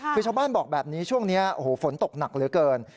คือชาวบ้านบอกแบบนี้ช่วงนี้โอ้โหฝนตกหนักเหลือเกิน